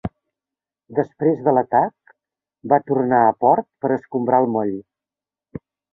Després de l'atac, va tornar a port per escombrar el moll.